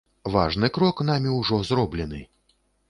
Важны крок намі ўжо зроблены.